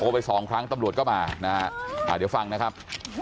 ไปสองครั้งตำรวจก็มานะฮะเดี๋ยวฟังนะครับ